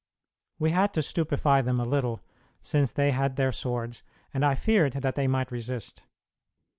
We had to stupefy them a little, since they had their swords, and I feared that they might resist.